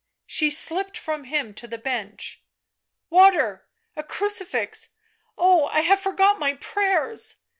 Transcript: She slipped from him to the bench. " Water, a crucifix. ... Oh, I have forgot my prayers."